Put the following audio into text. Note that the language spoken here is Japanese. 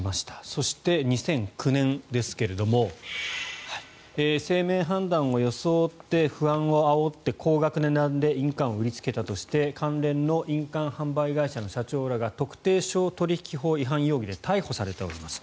そして、２００９年ですが姓名判断を装って不安をあおって高額な値段で印鑑を売りつけたとして関連の印鑑販売会社の社長らが特定商取引法違反容疑で逮捕されております。